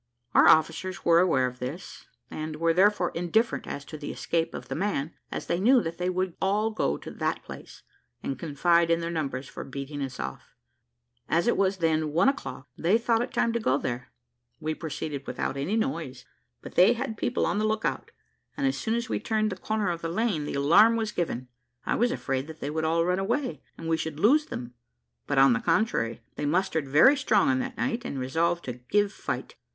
Our officers were aware of this, and were therefore indifferent as to the escape of the men, as they knew that they would all go to that place, and confide in their numbers for beating us off. As it was then one o'clock, they thought it time to go there; we proceeded without any noise, but they had people on the look out, and as soon as we turned the corner of the lane the alarm was given. I was afraid that they would all run away, and we should lose them; but, on the contrary, they mustered very strong on that night, and had resolved to "give fight."